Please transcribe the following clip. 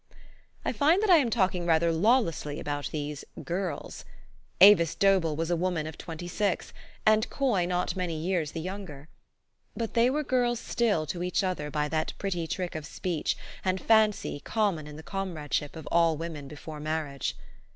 I find that I am talking rather lawlessly about these '' girls. '' Avis Dobell was a woman of twenty six, and Coy not many years the younger. But they were girls still to each other by that pretty trick of speech and fancy common in the comradeship of all women before marriage.